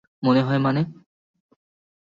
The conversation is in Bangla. মনে হয় মানে?